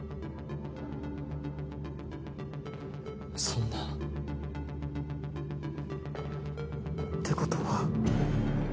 そんな。って事は。